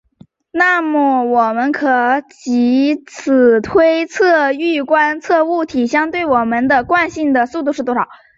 那么我们就可藉此推测欲观测物体相对于我们的惯性系的速度是多少。